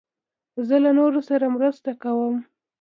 زه له نورو سره مرسته کوم.